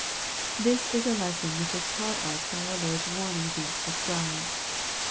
This is a lesson which is taught us by our Lord's warn ing against the Scribes.